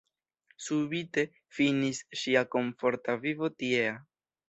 Subite finis ŝia komforta vivo tiea.